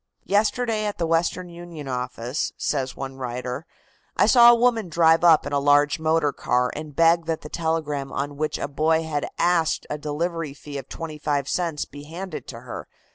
"Yesterday, at the Western Union office," says one writer, "I saw a woman drive up in a large motor car and beg that the telegram on which a boy had asked a delivery fee of twenty five cents be handed to her.